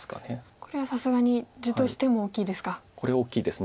これはさすがに地としても大きいですか。